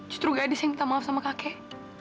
justru gadis yang minta maaf sama kakek